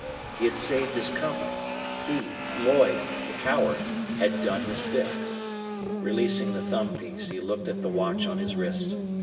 He had saved his Company, he, Lloyd, the coward, had "done his bit." Releasing the thumb piece, he looked at the watch on his wrist.